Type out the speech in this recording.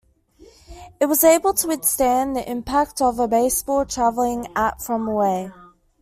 It was able to withstand the impact of a baseball traveling at from away.